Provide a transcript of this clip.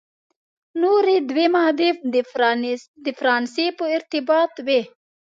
نوري دوې مادې د فرانسې په ارتباط وې.